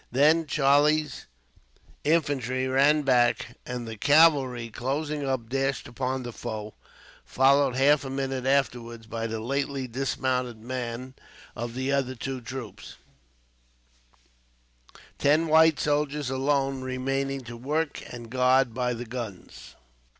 Then Charlie's infantry ran back; and the cavalry, closing up, dashed upon the foe, followed half a minute afterwards by the lately dismounted men of the other two troops; ten white soldiers, alone, remaining to work and guard the guns.